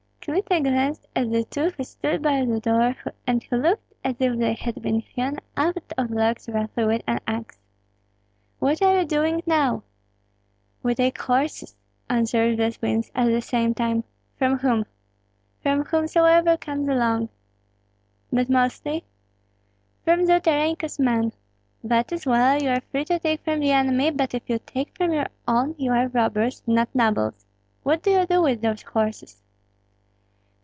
Kmita glanced at the two who stood by the door, and who looked as if they had been hewn out of logs roughly with an axe. "What are you doing now?" "We take horses!" answered the twins at the same time. "From whom?" "From whomsoever comes along." "But mostly?" "From Zolotarenko's men." "That is well, you are free to take from the enemy; but if you take from your own you are robbers, not nobles. What do you do with those horses?"